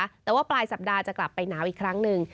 แต่ว่าปลายสัปดาห์จะกลับไปหนาวอีกครั้งหนึ่ง